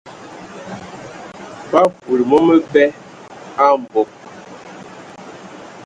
Ba fufudi mɔ məbɛ a mbog.